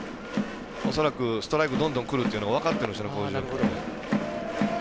恐らくストライクどんどんくるのが分かってるんでしょうね。